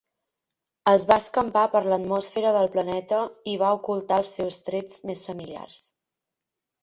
Es va escampar per l'atmosfera del planeta i va ocultar els seus trets més familiars.